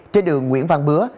trên đường nguyễn văn bứa